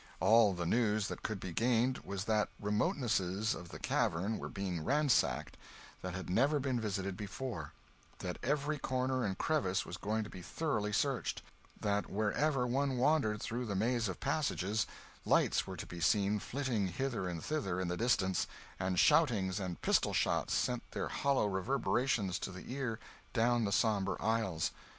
All the news that could be gained was that remotenesses of the cavern were being ransacked that had never been visited before; that every corner and crevice was going to be thoroughly searched; that wherever one wandered through the maze of passages, lights were to be seen flitting hither and thither in the distance, and shoutings and pistol shots sent their hollow reverberations to the ear down the sombre aisles.